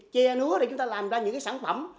che núa để chúng ta làm ra những sản phẩm